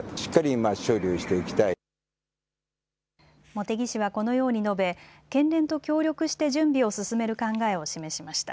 茂木氏はこのように述べ県連と協力して準備を進める考えを示しました。